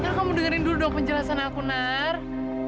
nara kamu dengerin dulu dong penjelasan aku nara